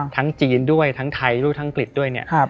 จีนด้วยทั้งไทยด้วยทั้งอังกฤษด้วยเนี่ย